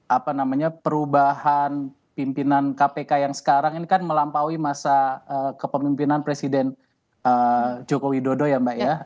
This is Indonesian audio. apa namanya perubahan pimpinan kpk yang sekarang ini kan melampaui masa kepemimpinan presiden joko widodo ya mbak ya